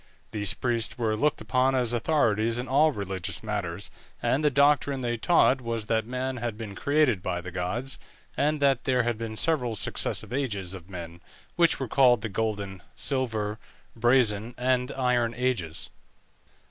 These priests were looked upon as authorities in all religious matters, and the doctrine they taught was, that man had been created by the gods, and that there had been several successive ages of men, which were called the Golden, Silver, Brazen, and Iron Ages.